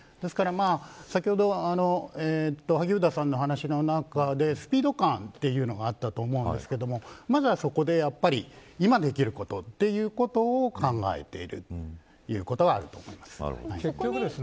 先ほど萩生田さんの話の中でスピード感というのがあったと思うんですがまずは、そこで今できることということを考えているということがあると思います。